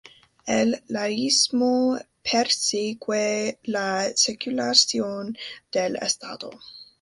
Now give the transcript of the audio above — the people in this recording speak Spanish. El laicismo persigue la secularización del Estado.